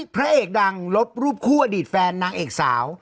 พระเอกดังลบรูปคู่อดีตแฟนนางเอกสาว